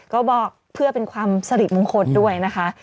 ก็บอกเพื่อเป็นความสริมงคลด้วยนะคะ